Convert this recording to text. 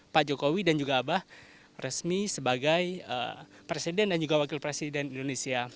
pak jokowi dan juga abah resmi sebagai presiden dan juga wakil presiden indonesia